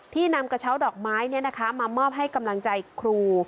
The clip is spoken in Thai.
นำกระเช้าดอกไม้มามอบให้กำลังใจครู